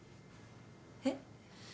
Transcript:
えっ？